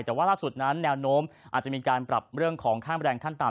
แต่ว่าล่าสุดนั้นแนวโน้มอาจจะมีการปรับเรื่องของค่าแรงขั้นต่ำ